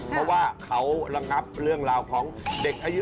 เพราะว่าเขาระงับเรื่องราวของเด็กอายุ